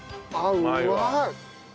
うまいわ。